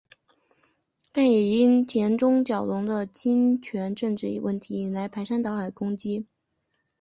但也因田中角荣的金权政治问题来引来排山倒海的攻击。